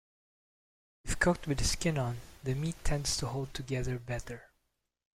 If cooked with the skin on, the meat tends to hold together better.